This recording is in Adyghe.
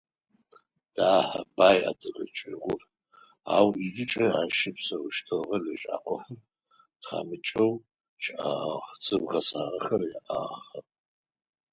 Дахэ, бай адыгэ чӏыгур, ау ижъыкӏэ ащ щыпсэущтыгъэ лэжьакӏохэр тхьамыкӏэу щыӏагъэх, цӏыф гъэсагъэхэр яӏагъэхэп.